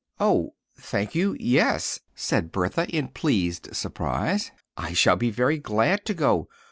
"Oh, thank you, yes," said Bertha, in pleased surprise. "I shall be very glad to go.